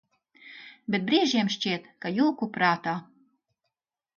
Bet brīžiem šķiet, ka jūku prātā.